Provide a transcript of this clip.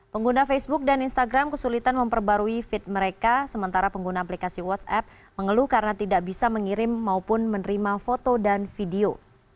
pengguna facebook dan instagram kesulitan memperbarui feed mereka sementara pengguna aplikasi whatsapp mengeluh karena tidak bisa mengirim maupun menerima foto dan video